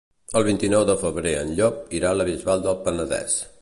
El vint-i-nou de febrer en Llop irà a la Bisbal del Penedès.